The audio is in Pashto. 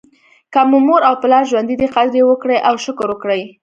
که مو مور او پلار ژوندي دي قدر یې وکړئ او شکر وکړئ.